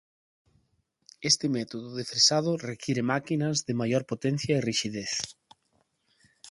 Este método de fresado require máquinas de maior potencia e rixidez.